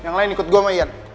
yang lain ikut gua sama ian